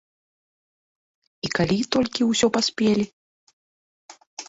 І калі толькі ўсё паспелі?